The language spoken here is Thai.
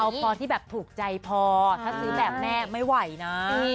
เอาพอที่แบบถูกใจพอถ้าซื้อแบบแม่ไม่ไหวนะ